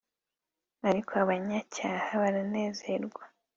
ariko abamucyaha baranezerwa